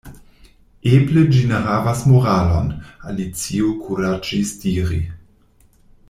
"Eble ĝi ne havas moralon," Alicio kuraĝis diri.